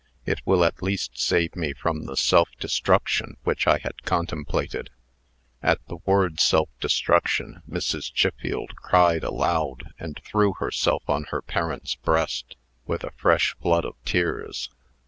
It will at least save me from the self destruction which I had contemplated." At the word "self destruction," Mrs. Chiffield cried aloud, and threw herself on her parent's breast, with a fresh flood of tears.